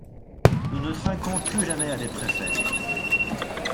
Nous ne trinquons plus jamais à des préfets.